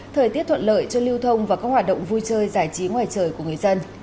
thời tiết thuận lợi cho lưu thông và các hoạt động vui chơi giải trí ngoài trời của người dân